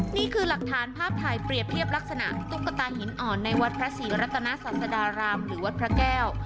นี่คือหลักฐานภาพถ่ายเปรียบเทียบลักษณะตุ๊กตาหินอ่อนในวัดพระศรีรัตนาศาสดารามหรือวัดพระแก้ว